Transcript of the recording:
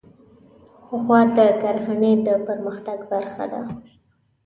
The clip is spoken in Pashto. غوا د کرهڼې د پرمختګ برخه ده.